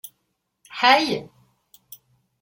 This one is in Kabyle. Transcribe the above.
Ḥay!